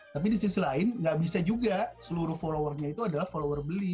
tapi di sisi lain nggak bisa juga seluruh followers nya itu adalah followers beli